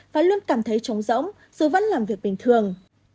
và luôn cảm thấy chống rỗng dù vẫn làm việc bình thường